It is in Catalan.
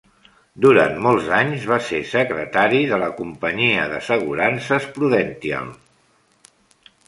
Durant molts anys, va ser secretari de la companyia d'assegurances Prudential.